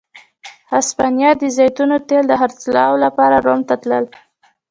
هسپانیا د زیتونو تېل د خرڅلاو لپاره روم ته راتلل.